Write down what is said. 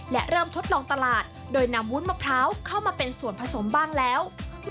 และเริ่มทดลองตลาดโดยนำวุ้นมะพร้าวเข้ามาเป็นส่วนผสมบ้างแล้ว